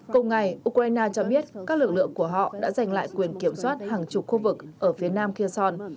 cùng ngày ukraine cho biết các lực lượng của họ đã giành lại quyền kiểm soát hàng chục khu vực ở phía nam kia son